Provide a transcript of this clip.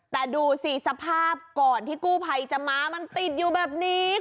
แต่ดูสิสภาพก่อนที่กู้ภัยจะมามันติดอยู่แบบนี้